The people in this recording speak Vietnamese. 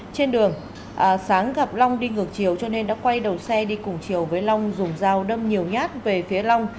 trên đường sáng gặp long đi ngược chiều cho nên đã quay đầu xe đi cùng chiều với long dùng dao đâm nhiều nhát về phía long